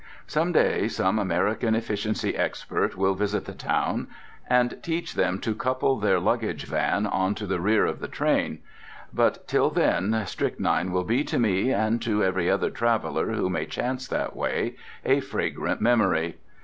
Some day some American efficiency expert will visit the town and teach them to couple their luggage van on to the rear of the train. But till then Strychnine will be to me, and to every other traveller who may chance that way, a fragrant memory.